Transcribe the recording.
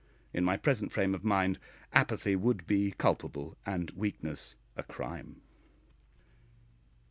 In my present frame of mind apathy would be culpable and weakness a crime....